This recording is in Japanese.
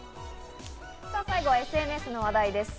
さあ、最後はＳＮＳの話題です。